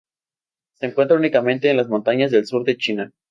Se encuentra únicamente en las montañas del sur de China.